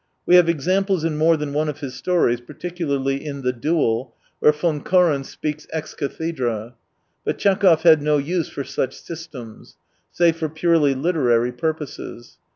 We have examples in more than one of his stories, particularly in The Duel, where Fon Koren speaks ex cathedra. But Tchekhov had no use for such systems, save for purely literary purposes.